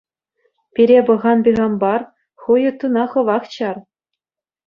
Пире пӑхан Пихампар, ху йыттуна хӑвах чар.